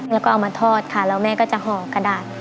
แล้วก็เอามาทอดค่ะแล้วแม่ก็จะห่อกระดาษ